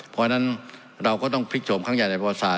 เพราะฉะนั้นเราก็ต้องพลิกโฉมครั้งใหญ่ในประวัติศาส